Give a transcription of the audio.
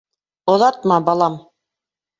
Оҙатма, балам.